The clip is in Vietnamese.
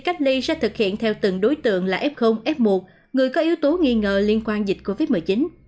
cách ly sẽ thực hiện theo từng đối tượng là f f một người có yếu tố nghi ngờ liên quan dịch covid một mươi chín